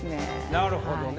なるほどね。